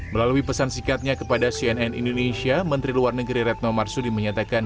melalui pesan sikatnya kepada cnn indonesia menteri luar negeri retno marsudi menyatakan